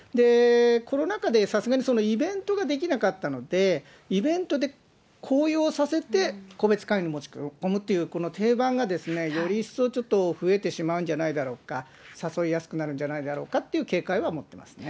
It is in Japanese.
コロナ禍でさすがにイベントができなかったので、イベントで高揚させて、個別勧誘に持ち込むという定番が、より一層ちょっと増えてしまうんじゃないだろうか、誘いやすくなるんじゃないだろうかと警戒は持ってますね。